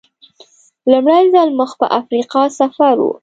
لومړی ځل مخ پر افریقا سفر و.